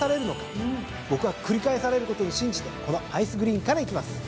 僕は繰り返されることを信じてこのアイスグリーンからいきます。